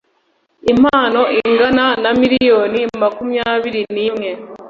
impano ingana na miliyoni makumyabiri n’imwe